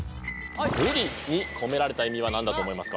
ブリに込められた意味は何だと思いますか？